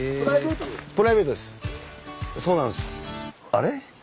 あれ？